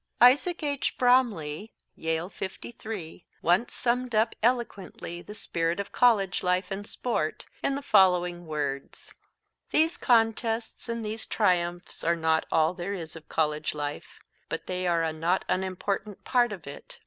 Isaac H. Bromley, Yale '53, once summed up eloquently the spirit of college life and sport in the following words: "These contests and these triumphs are not all there is of college life, but they are a not unimportant part of it.